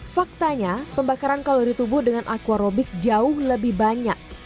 faktanya pembakaran kalori tubuh dengan aquarobik jauh lebih banyak